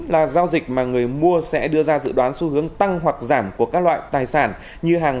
là giao dịch mà người mua sẽ đưa ra dự đoán xu hướng tăng hoặc giảm của các loại tài sản như hàng